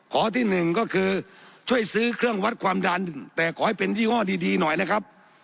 ข้อที่หนึ่งก็คือช่วยซื้อเครื่องวัดความดันแต่ขอให้เป็นยี่ห้อดีหน่อยนะครับ